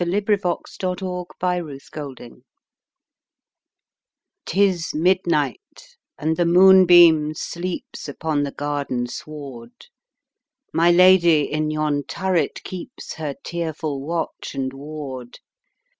THE ROMAUNT OF HUMPTY DUMPTY 'Tis midnight, and the moonbeam sleeps Upon the garden sward; My lady in yon turret keeps Her tearful watch and ward.